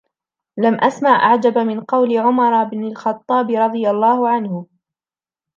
لَمْ أَسْمَعْ أَعْجَبَ مِنْ قَوْلِ عُمَرَ بْنِ الْخَطَّابِ رَضِيَ اللَّهُ عَنْهُ